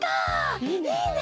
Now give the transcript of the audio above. いいね！